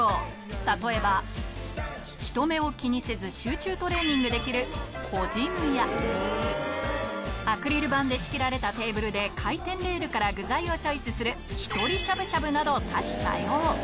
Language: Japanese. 例えば、人目を気にせず集中トレーニングできる個ジムや、アクリル板で仕切られたテーブルで回転レールから具材をチョイスするひとりしゃぶしゃぶなど多種多様。